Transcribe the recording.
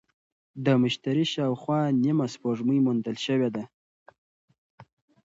د مشتري شاوخوا نیمه سپوږمۍ موندل شوې ده.